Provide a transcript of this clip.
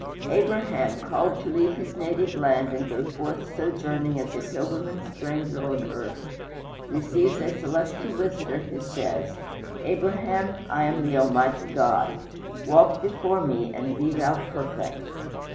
Abraham, called to leave his native land and go forth sojourning as a pilgrim and stranger on earth, receives a celestial visitor who says: "Abraham, I am the Almighty God. Walk before me and be thou perfect."